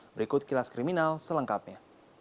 berikut kilas kriminal selengkapnya